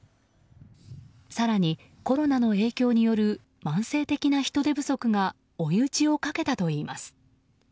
更に、コロナの影響による慢性的な人手不足が追い打ちをかけたといいます。